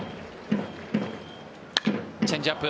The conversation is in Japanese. チェンジアップ。